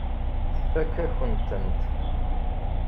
Tfakk-akent-tent.